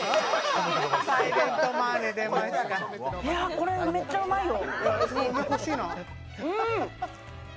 これ、めっちゃうまいよ。